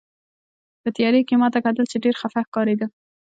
په تیارې کې یې ما ته کتل، چې ډېره خپه ښکارېده.